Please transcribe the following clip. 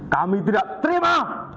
kami tidak terima